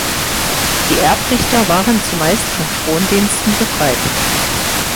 Die Erbrichter waren zumeist von Frondiensten befreit.